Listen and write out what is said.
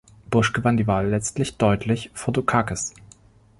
Bush gewann die Wahl letztlich deutlich vor Dukakis.